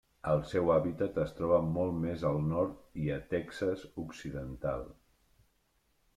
El seu hàbitat es troba molt més al nord i a Texas occidental.